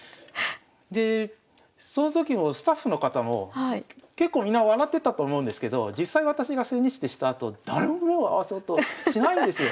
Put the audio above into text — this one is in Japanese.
でその時もスタッフの方も結構みんな笑ってたと思うんですけど実際私が千日手したあと誰も目を合わせようとしないんですよ。